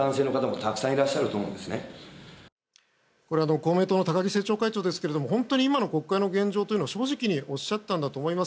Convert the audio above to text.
公明党の高木政調会長ですが本当に今の国会の現状を正直におっしゃったと思います。